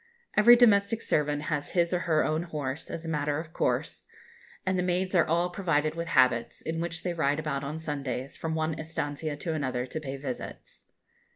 Every domestic servant has his or her own horse, as a matter of course; and the maids are all provided with habits, in which they ride about on Sundays, from one estancia to another, to pay visits.